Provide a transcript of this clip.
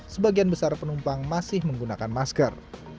sebagian besar penumpang masih menggunakan masker